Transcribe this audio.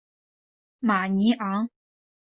马尼昂。